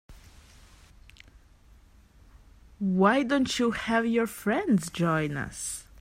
Why don't you have your friends join us?